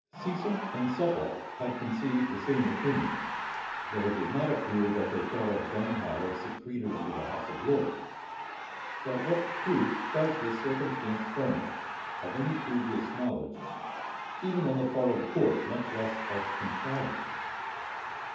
Cecil and Suffolk had conceived the same opinion, though it does not appear that they thought of gunpowder secreted under the House of Lords. But what proof does this circumstance furnish of any previous knowledge even, on the part of the court, much less of contrivance?